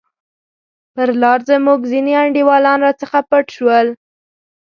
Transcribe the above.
پر لار زموږ ځیني انډیوالان راڅخه پټ شول.